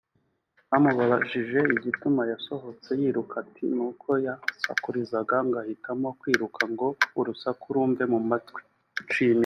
Bamubajije igituma yasohotse yiruka ati n’uko yansakurizaga ngahitamo kwiruka ngo urusaku rumve mu matwi